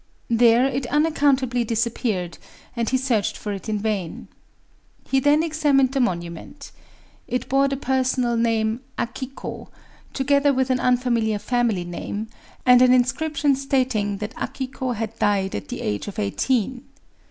There it unaccountably disappeared; and he searched for it in vain. He then examined the monument. It bore the personal name "Akiko," (3) together with an unfamiliar family name, and an inscription stating that Akiko had died at the age of eighteen.